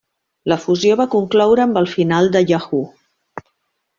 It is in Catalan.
La fusió va concloure amb el final de Yahoo!